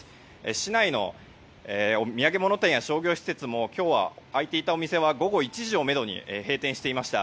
市内の土産物店や商業施設も今日は開いていたお店は午後１時をめどに閉店していました。